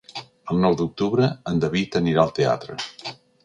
El nou d'octubre en David anirà al teatre.